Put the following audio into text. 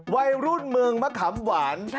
วัยรุ่นเมืองมะขามหวาน